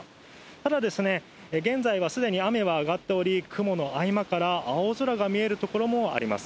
ただ、現在はすでに雨は上がっており、雲の合間から青空が見える所もあります。